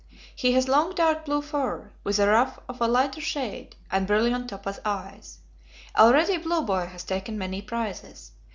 He has long dark blue fur, with a ruff of a lighter shade and brilliant topaz eyes. Already Blue Boy has taken many prizes.